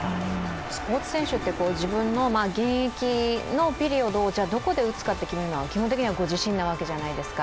スポーツ選手って自分の現役のピリオドをどこで打つのか決めるのは基本的にはご自身なわけじゃないですか。